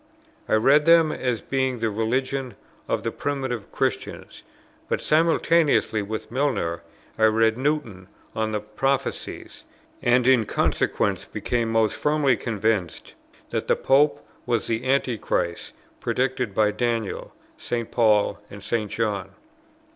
I read them as being the religion of the primitive Christians: but simultaneously with Milner I read Newton on the Prophecies, and in consequence became most firmly convinced that the Pope was the Antichrist predicted by Daniel, St. Paul, and St. John.